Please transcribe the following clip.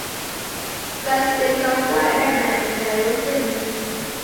Kukaseka kwaadada migha yose m'mbinyi.